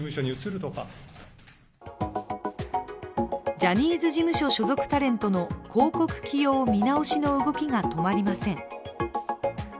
ジャニーズ事務所所属タレントの広告起用見直しの動きが止まりません。